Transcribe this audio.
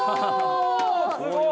すごい！